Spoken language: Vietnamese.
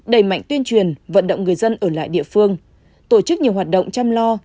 đẩy mạnh tuyên truyền vận động người dân ở lại địa phương tổ chức nhiều hoạt động chăm lo